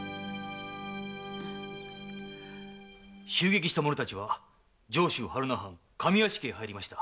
襲撃した者たちは榛名藩上屋敷へ入りました。